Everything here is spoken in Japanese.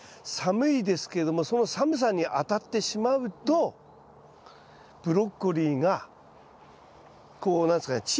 寒いですけれどもその寒さにあたってしまうとブロッコリーがこう何ですかね